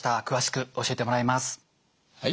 詳しく教えてもらいます。